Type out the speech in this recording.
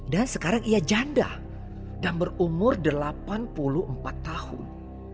dan sekarang ia janda dan berumur delapan puluh empat tahun